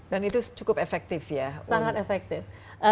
dan itu cukup efektif ya sangat efektif